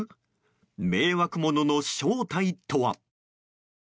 迷惑物の正体とは？